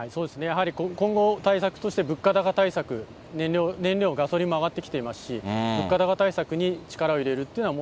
やはり今後対策として、物価高対策、燃料、ガソリンも上がってきていますし、物価高対策に力を入れるっていうのは、